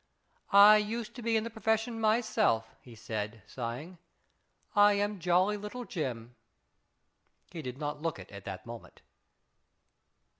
"I used to be in the profession myself/' he said, sighing. " I am Jolly Little Jim." He did not look it at that moment.